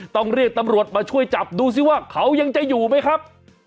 ต้องเรียกตำรวจมาช่วยจับดูสิว่าเขายังจะอยู่ไหมครับ